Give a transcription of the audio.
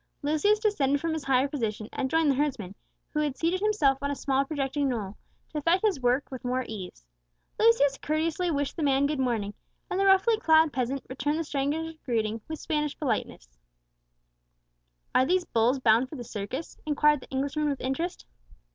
Lucius descended from his higher position, and joined the herdsman, who had seated himself on a small projecting knoll, to effect his work with more ease. Lucius courteously wished the man good morning, and the roughly clad peasant returned the stranger's greeting with Spanish politeness. [Illustration: BEFORE THE FIGHT.] [Illustration: AFTER THE FIGHT. Page 66] "Are these bulls bound for the circus?" inquired the Englishman with interest.